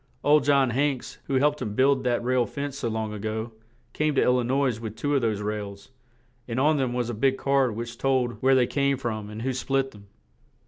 Old John Hanks, who had helped him build that rail fence so long a go, came to Il li nois with two of those rails; and on them was a big card which told where they came from, and who split them.